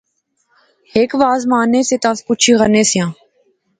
ہک واز مارنے سے تے اس پوچی غنے سیاں